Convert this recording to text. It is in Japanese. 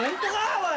おい。